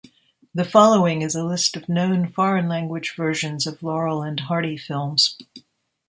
The following is a list of known foreign-language versions of Laurel and Hardy films.